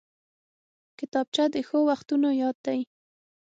کتابچه د ښو وختونو یاد دی